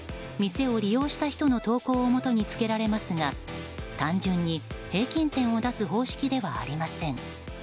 店を利用した人の投稿をもとにつけられますが単純に平均点を出す方式ではありません。